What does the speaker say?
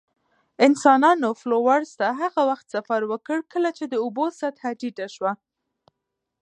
انسانانو فلورس ته هغه وخت سفر وکړ، کله چې د اوبو سطحه ټیټه شوه.